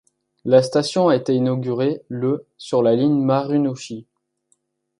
La station a été inaugurée le sur la ligne Marunouchi.